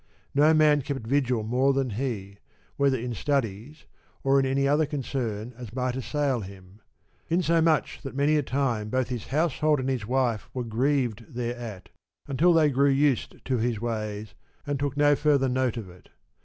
No man kept vigil more than he, whether in studies or in any such other concern as might assail him ; in so much that many a time both his household and his wife were grieved thereat, until they grew used to his ways, and took no further note of it.